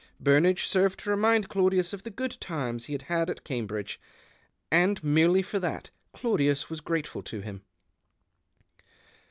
Burnage served to remind Claudius of the good times he had had at Cambridge, and merely for that Claudius was grateful to him.